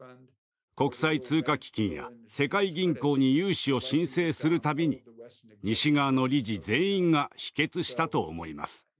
国際通貨基金や世界銀行に融資を申請するたびに西側の理事全員が否決したと思います。